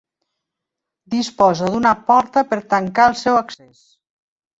Disposa d'una porta per tancar el seu accés.